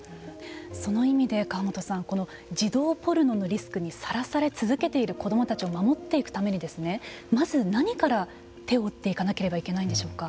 その意味で、川本さんこの児童ポルノのリスクにさらされ続けている子どもたちを守っていくために、まず何から手を打っていかなければいけないんでしょうか。